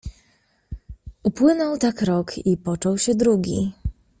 "Upłynął tak rok i począł się drugi."